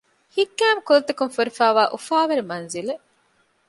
ހިތްގައިމު ކުލަތަކުން ފުރިފައިވާ އުފާވެރި މަންޒިލެއް